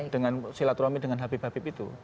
dengan silaturahmi dengan habib habib itu